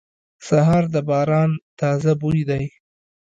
سهار د باران تازه بوی دی.